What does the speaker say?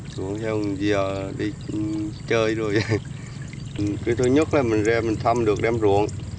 ruộng theo dìa đi chơi rồi thứ nhất là mình ra mình thăm được đem ruộng